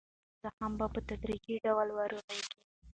دا ژور زخمونه به په تدریجي ډول ورغېږي.